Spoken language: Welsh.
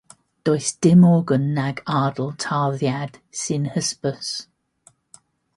Does dim organ nag ardal tarddiad sy'n hysbys.